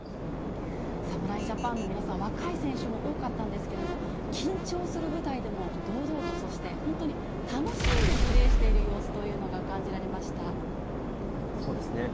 侍ジャパンの皆さん、若い選手も多かったんですけれども、緊張する舞台でも、堂々と、そして本当に楽しんでプレーしている様子というのが感じられましそうですね。